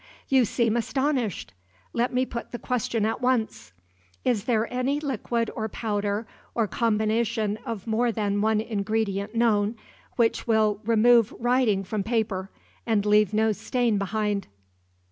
You seem astonished. Let me put the question at once. Is there any liquid or powder, or combination of more than one ingredient known, which will remove writing from paper, and leave no stain behind?"